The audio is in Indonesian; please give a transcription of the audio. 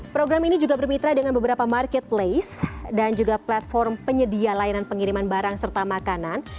program ini juga bermitra dengan beberapa marketplace dan juga platform penyedia layanan pengiriman barang serta makanan